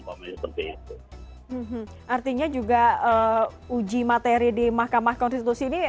artinya juga uji materi di mahkamah konstitusi ini